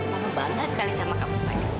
mama bangga sekali sama kamu pak adil